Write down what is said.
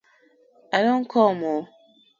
I don kom oo!!